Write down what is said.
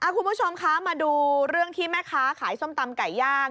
คุณผู้ชมคะมาดูเรื่องที่แม่ค้าขายส้มตำไก่ย่าง